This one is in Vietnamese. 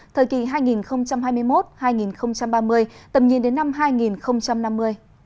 thời kỳ hai nghìn hai mươi một hai nghìn ba mươi tầm nhìn đến năm hai nghìn năm mươi